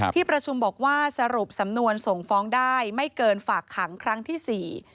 ที่ประชุมบอกว่าสรุปสำนวนส่งฟ้องได้ไม่เกินฝากขังครั้งที่สี่